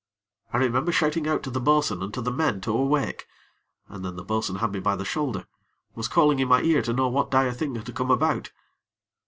I remember shouting out to the bo'sun and to the men to awake, and then the bo'sun had me by the shoulder, was calling in my ear to know what dire thing had come about.